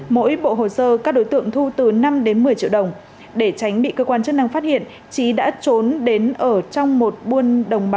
mỗi bộ hồ sơ các đối tượng thu từ năm đến một mươi triệu đồng